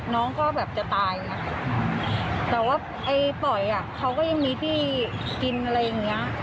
น้องก็แบบจะตายแต่ว่าไอ้ปล่อยอ่ะเขาก็ยังมีที่กินอะไรอย่างเงี้ย